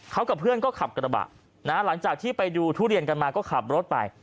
เขากับเพื่อนก็ขับกระบะนะฮะหลังจากที่ไปดูทุเรียนกันมาก็ขับรถไป